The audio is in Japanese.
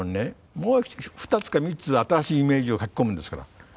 もう２つか３つ新しいイメージを書き込むんですから。